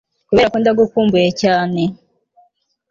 kuberako ndagukumbuye cyane